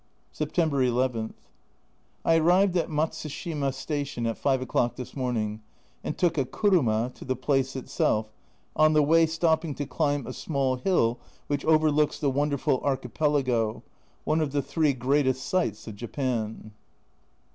September u. I arrived at Matsushima station at 5 o'clock this morning and took a kuruma^ to the place itself, on the way stopping to climb a small hill which overlooks the wonderful archipelago one of the three greatest sights of Japan.